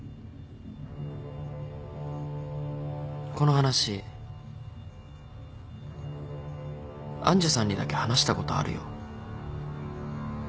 この話愛珠さんにだけ話したことあるよ。